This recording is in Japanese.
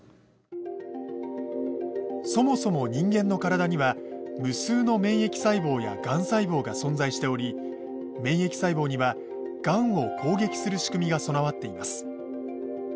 そもそも人間の体には無数の免疫細胞やがん細胞が存在しており免疫細胞にはがんを攻撃する仕組みが備わっています。